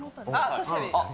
確かに。